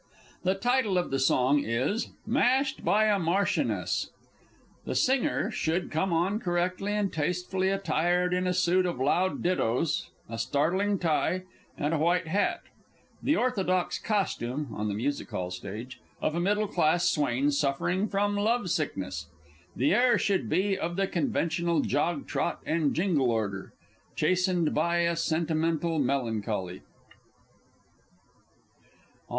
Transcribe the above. The title of the song is: MASHED BY A MARCHIONESS. The singer should come on correctly and tastefully attired in a suit of loud dittoes, a startling tie, and a white hat _the orthodox costume (on the Music hall stage) of a middle class swain suffering from love sickness. The air should be of the conventional jog trot and jingle order, chastened by a sentimental melancholy.